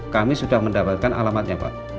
kami sudah mendapatkan alamatnya pak